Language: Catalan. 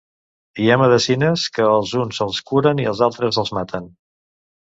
Hi ha medecines que als uns els curen i als altres els maten.